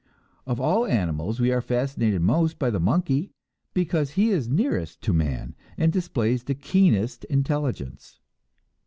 Of all animals we are fascinated most by the monkey, because he is nearest to man, and displays the keenest intelligence.